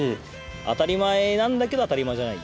当たり前なんだけど、当たり前じゃない。